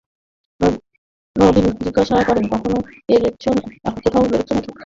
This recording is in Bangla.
নবীন জিজ্ঞাসা করলে, কোথাও বেরোচ্ছ নাকি?